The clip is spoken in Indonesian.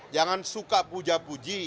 jangan suka puja puji